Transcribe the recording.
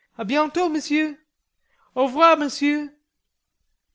A bientot, Monsieur. Au revoir, Monsieur."